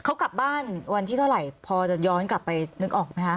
เขากลับบ้านวันที่เท่าไหร่พอจะย้อนกลับไปนึกออกไหมคะ